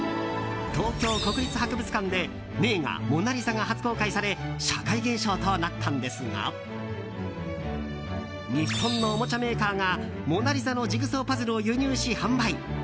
東京国立博物館で名画「モナリザ」が初公開され社会現象となったんですが日本のおもちゃメーカーが「モナリザ」のジグソーパズルを輸入し、販売。